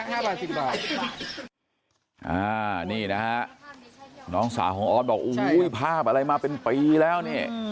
นี่ครับ๕บาท๑๐บาทอ่านี่นะครับน้องสาวของออสบอกโอ้ยภาพอะไรมาเป็นปีแล้วเนี่ย